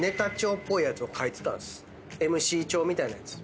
ＭＣ帳みたいなやつ。